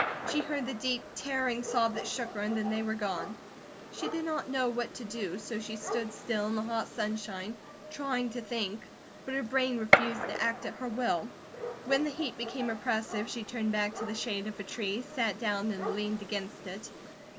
She heard the deep, tearing sob that shook her, and then they were gone. She did not know what to do, so she stood still in the hot sunshine, trying to think; but her brain refused to act at her will. When the heat became oppressive, she turned back to the shade of a tree, sat down, and leaned against it.